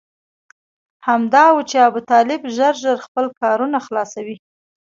همدا و چې ابوطالب ژر ژر خپل کارونه خلاصوي.